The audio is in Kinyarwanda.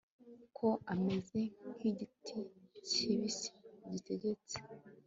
Ko ameze nkigiti kibisi gitetse